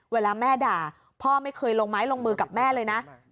เวลาแม่ด่าพ่อไม่เคยลงไม้ลงมือกับแม่เลยนะ